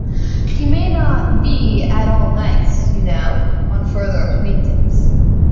He may not be at all nice, you know, on further acquaintance.